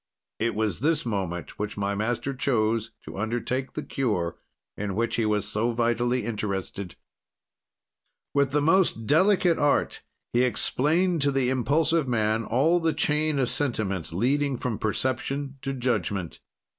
"It was this moment which my master chose to undertake the cure, in which he was so vitally interested. "With the most delicate art, he explained to the impulsive man all the chain of sentiments leading from perception to judgment.